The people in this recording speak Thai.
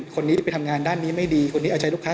คนนี้ไปทำงานด้านนี้ไม่ดีคนนี้เอาใช้ลูกค้า